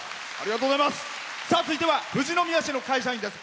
続いては富士宮市の会社員です。